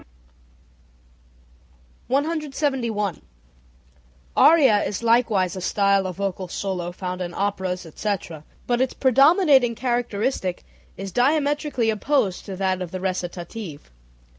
] 171. Aria is likewise a style of vocal solo found in operas, etc., but its predominating characteristic is diametrically opposed to that of the recitative.